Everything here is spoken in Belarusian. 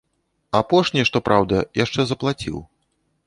Апошні, што праўда, яшчэ заплаціў.